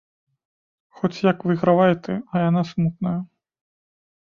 Хоць як выйгравай ты, а яна смутная?